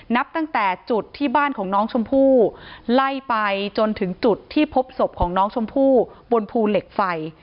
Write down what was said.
นับตั้งแต่จุดที่บ้านของน้องชมพู่ไล่ไปจนถึงจุดที่พบศพของน้องชมพู่บนภูเหล็กไฟ